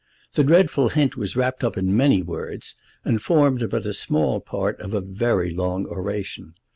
The dreadful hint was wrapped up in many words, and formed but a small part of a very long oration.